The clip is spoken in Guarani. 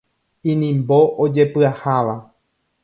Inimbo ojepyaháva.